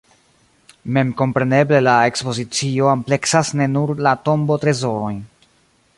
Memkompreneble la ekspozicio ampleksas ne nur la tombotrezorojn.